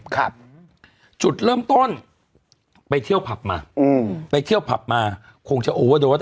ครับจุดเริ่มต้นไปเที่ยวผับมาอืมไปเที่ยวผับมาคงจะโอเวอร์โดส